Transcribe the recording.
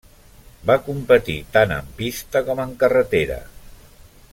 Va competir tant en pista com en carretera.